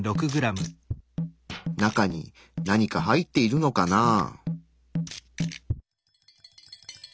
中に何か入っているのかなあ？